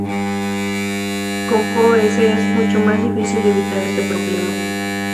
Con PoS es mucho más difícil evitar este problema.